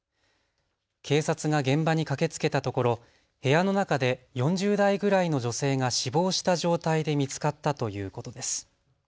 警察が現場に駆けつけたところ部屋の中で４０代ぐらいの女性が死亡した状態で見つかったということです。